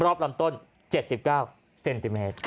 ลำต้น๗๙เซนติเมตร